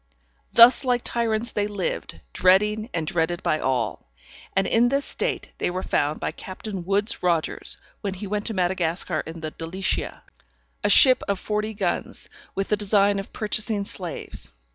_] Thus like tyrants they lived, dreading, and dreaded by all, and in this state they were found by Captain Woods Rogers, when he went to Madagascar in the Delicia, a ship of forty guns, with the design of purchasing slaves.